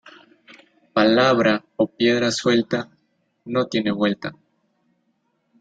Palabra o piedra suelta, no tiene vuelta.